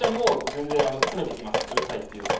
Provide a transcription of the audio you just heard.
多分うるさいって言うと。